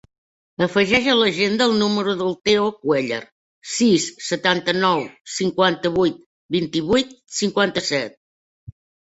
Afegeix a l'agenda el número del Theo Cuellar: sis, setanta-nou, cinquanta-vuit, vint-i-vuit, cinquanta-set.